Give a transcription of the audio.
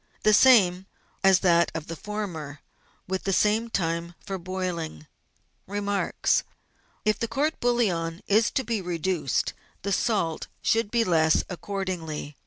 — The same as that of the former, with the same time for boiling. Remarks. — If the court bouillon is to be reduced, the salt should be less accordingly.